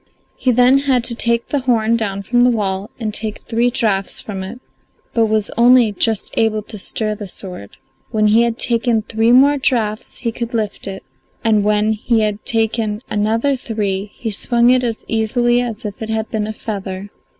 He then had to take the horn down from the wall and take three draughts from it, but was only just able to stir the sword. When he had taken three more draughts he could lift it, and when he had taken another three he swung it as easily as if it had been a feather.